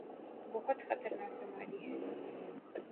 بہت خطرناک بیماری ہے۔